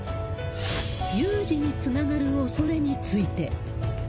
有事につながるおそれについて。